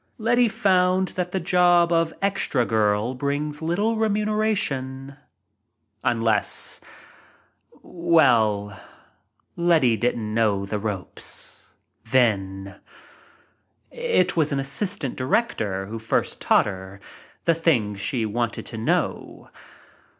Letty found that the job of "extra girl" brings little remuneration — unless — well, Letty didn't know the ropes — then. It was an assistant director who first thaught her the things she wanted to know.